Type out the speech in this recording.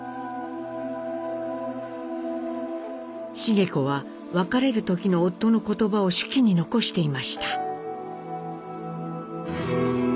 繁子は別れる時の夫の言葉を手記に残していました。